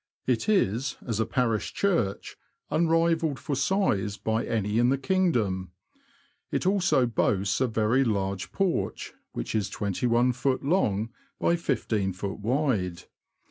It is, as a parish church, unrivalled for size by any in the king dom. It also boasts a very large porch, which is 21ft. long by 15ft. wide.